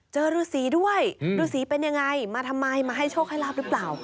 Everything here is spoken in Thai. เจอรูสีด้วยอืมรูสีเป็นยังไงมาทำไมมาให้โชคให้รับหรือเปล่า